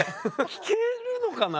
聞けるのかな？